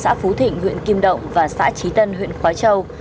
tàu hút cát phú thịnh huyện kim động và xã trí tân huyện khói châu